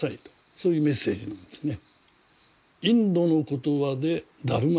そういうメッセージなんですね。